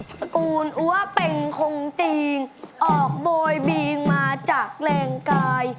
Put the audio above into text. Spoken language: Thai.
ตระกูลอัวเป็งคงจีนออกโบยบีงมาจากแรงกาย